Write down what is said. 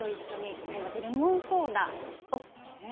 これはレモンソーダですよね。